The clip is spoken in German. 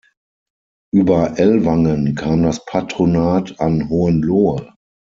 Über Ellwangen kam das Patronat an Hohenlohe.